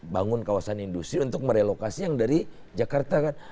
bangun kawasan industri untuk merelokasi yang dari jakarta kan